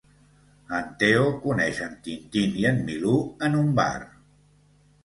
En Teo coneix en Tintín i en Milú en un bar